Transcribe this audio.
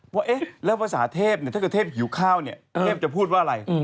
ว่าเอ๊ะแล้วภาษาเทพเนี้ยถ้าเทพอยู่ข้าวเนี้ยเทพจะพูดว่าอะไร